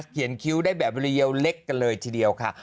คิ้วได้แบบเรียวเล็กกันเลยทีเดียวค่ะ